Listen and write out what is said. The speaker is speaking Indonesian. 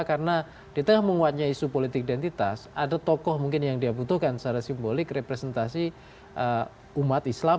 karena di tengah menguatnya isu politik identitas ada tokoh mungkin yang dia butuhkan secara simbolik representasi umat islam